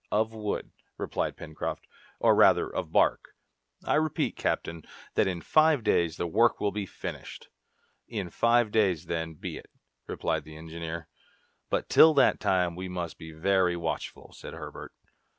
"Of wood," replied Pencroft, "or rather of bark. I repeat, captain, that in five days the work will be finished!" "In five days, then, be it," replied the engineer. "But till that time we must be very watchful," said Herbert.